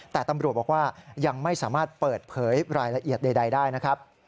แต่ตำรวจบอกว่ายังไม่สามารถเปิดเผยรายละเอียดใดได้นะครับ